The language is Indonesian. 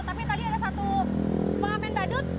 tapi tadi ada satu pengamen badut